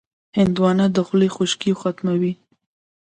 هندوانه د خولې خشکي ختموي.